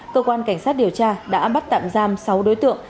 cơ quan cảnh sát điều tra đã bắt tạm giam sáu đối tượng